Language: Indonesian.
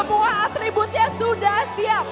semua atributnya sudah siap